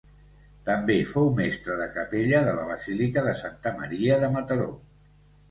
També fou mestre de capella de la Basílica de Santa Maria de Mataró.